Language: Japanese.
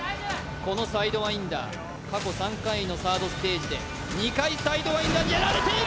このサイドワインダー過去３回のサードステージで２大会サイドワインダーにやられている！